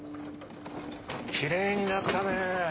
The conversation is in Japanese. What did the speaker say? キレイになったね